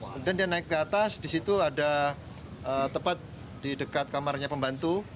kemudian dia naik ke atas di situ ada tepat di dekat kamarnya pembantu